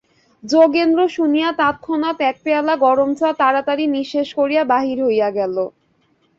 যোগেন্দ্র শুনিয়া তৎক্ষণাৎ এক পেয়ালা গরম চা তাড়াতাড়ি নিঃশেষ করিয়া বাহির হইয়া গেল।